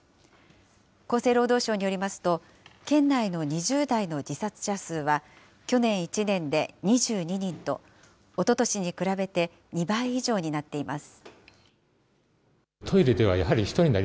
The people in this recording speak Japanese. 厚生労働省によりますと、県内の２０代の自殺者数は、去年１年で２２人と、おととしに比べて２倍以上になっています。